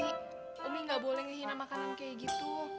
umi gak boleh ngehina makanan kayak gitu